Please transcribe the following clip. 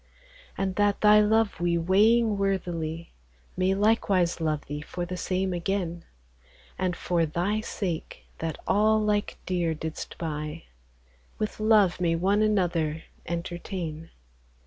And that Thy love we weighing worthily, May likewise love Thee for the same again, And for Thy sake, that all lyke deare didst buy, With Love may one another entertayne